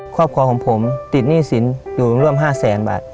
ครอบครัวของผมติดหนี้สินอยู่ร่วม๕แสนบาท